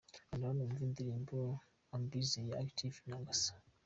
Kanda hano wumve indirimbo 'Am busy' ya Active na Cassa.